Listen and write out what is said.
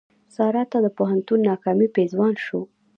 سارا ته د پوهنتون ناکامي پېزوان شو.